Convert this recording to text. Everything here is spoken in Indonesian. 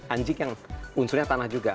anjing yang unsurnya tanah juga